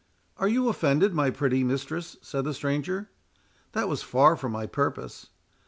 "Are you offended, my pretty mistress?" said the stranger; "that was far from my purpose.